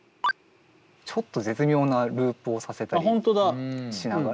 ちょっと絶妙なループをさせたりしながら。